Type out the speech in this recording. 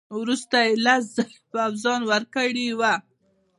وروسته یې لس زره پوځیان ورکړي وه.